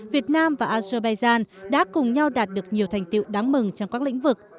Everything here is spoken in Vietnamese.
việt nam và azerbaijan đã cùng nhau đạt được nhiều thành tiệu đáng mừng trong các lĩnh vực